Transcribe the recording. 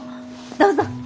どうぞ。